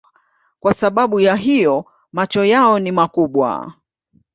Kwa sababu ya hiyo macho yao ni makubwa.